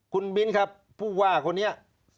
คุณมิ้นครับผู้ว่าคนนี้